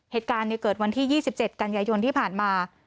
เหตุการณ์เกิดวันที่๒๗กันยายนที่ผ่านมา